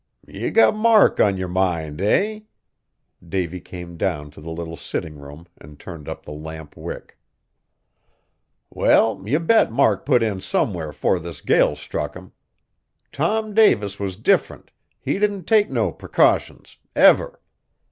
"Ye got Mark on yer mind, eh?" Davy came down to the little sitting room and turned up the lamp wick. "Well, ye bet Mark put in somewhere 'fore this gale struck him. Tom Davis was different, he didn't take no precautions, ever.